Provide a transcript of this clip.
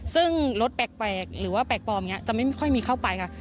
ซึ่งรถแปลกหรือว่าแปลกปลอมนี้จะไม่ค่อยมีเข้าไปค่ะ